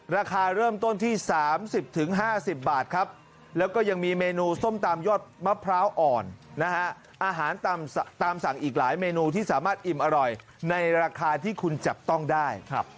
ราคาเริ่มต้นที่๓๐๕๐บาทครับแล้วก็ยังมีเมนูส้มตามยอดมะพร้าวอ่อนนะฮะ